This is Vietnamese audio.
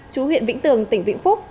chú huyện vĩnh tường tỉnh vĩnh phúc